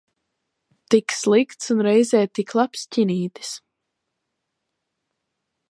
Tik slikts un reizē tik labs ķinītis.